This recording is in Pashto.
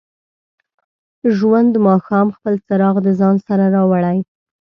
د ژوند ماښام خپل څراغ د ځان سره راوړي.